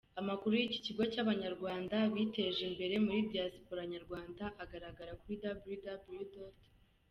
Amakuru y’iki kigo cy’Abanyarwanda biteje imbere muri Diaspora nyarwanda agaragara kuri www.